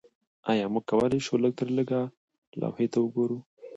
ایا موږ کولی شو لږترلږه لوحې ته وګورو